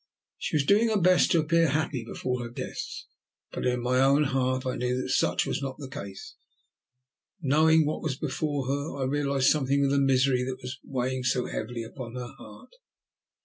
She was doing her best to appear happy before her guests, but in my own heart I knew that such was not the case. Knowing what was before her, I realized something of the misery that was weighing so heavily upon her heart.